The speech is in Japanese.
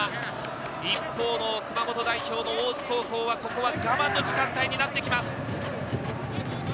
一方の熊本代表の大津高校は、我慢の時間帯になってきます。